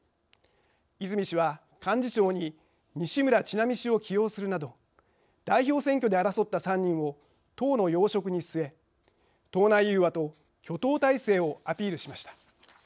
泉氏は幹事長に西村智奈美氏を起用するなど代表選挙で争った３人を党の要職に据え党内融和と挙党態勢をアピールしました。